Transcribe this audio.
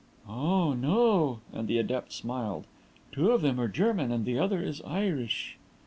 "Oh, no," and the adept smiled. "Two of them are German and the other is Irish."